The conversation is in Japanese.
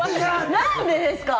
何でですか？